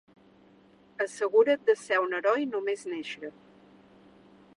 Assegura't de ser un heroi només néixer!